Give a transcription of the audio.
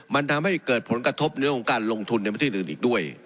มันทำให้เกิดผลกระทบในเรื่องของการลงทุนในประเทศอื่นอีกด้วย